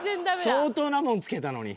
相当なもん付けたのに。